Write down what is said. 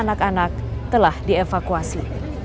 anak anak telah dievakuasi